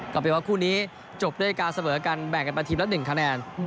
กลับไปว่าคู่นี้จบด้วยการเสบอกกันแบ่งกันไปทีมละหนึ่งคะแนน